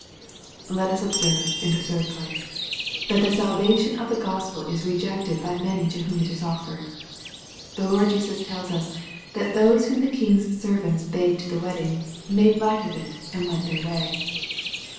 Let us observe, in the third place, that the salvation of the Gospel is rejected by many to whom it is offered. The Lord Jesus tells us, that those whom the king's servants bade to the wedding, " made light of it, and went their way."